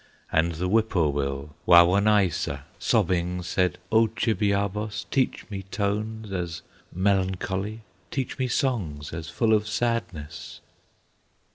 And the whippoorwill, Wawonaissa, Sobbing, said, "O Chibiabos, Teach me tones as melancholy, Teach me songs as full of sadness!"